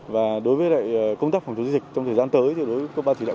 và đối với công tác phòng chống dịch trong thời gian tới